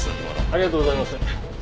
ありがとうございます。